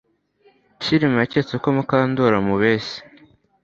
Kirima yaketse ko Mukandoli amubeshya